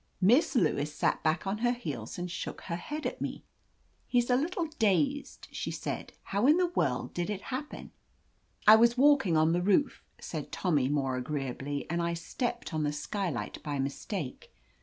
Miss Lewis sat back on her heels and shook her head at me. "He's a little dazed," she said. "How in the world did it happen ?" "I was walking on the roof," said Tommy more agreeably, "and I stepped on the skylight by mistake.